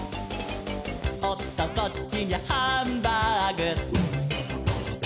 「おっとこっちにゃハンバーグ」